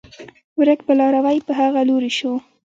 ورک به لاروی په هغه لوري شو